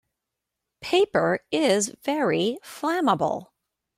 Paper is very flammable.